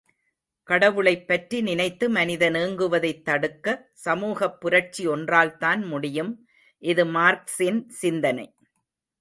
கடவுளை பற்றி நினைத்து மனிதன் ஏங்குவதைத் தடுக்க, சமூகப் புரட்சி ஒன்றால்தான் முடியும். இது மார்க்ஸின் சிந்தனை.